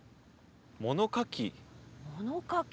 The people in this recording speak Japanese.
物書き。